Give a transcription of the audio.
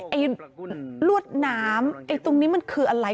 ไอ้ลวดน้ำไอ้ตรงนี้มันคืออะไร